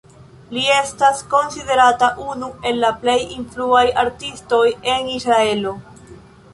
Li estas konsiderata unu el la plej influaj artistoj en Israelo.